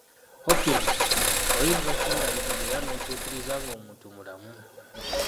Hawkins, oyinza okundayirira era n'otuukiriza ng'omuntu mulamu.